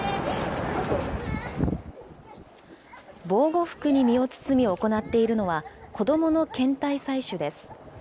防護服に身を包み行っているのは、子どもの検体採取です。